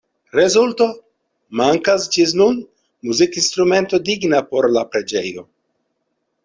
Rezulto: Mankas ĝis nun muzikinstrumento digna por la preĝejo.